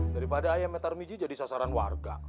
daripada ayam metar miji jadi sasaran warga